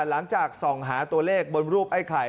หลังจากส่องหาตัวเลขบนรูปไอ้ไข่